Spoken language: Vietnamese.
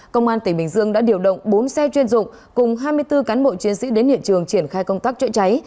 công an tỉnh bình dương đã điều động bốn xe chuyên dụng cùng hai mươi bốn cán bộ chiến sĩ đến hiện trường triển khai công tác chữa cháy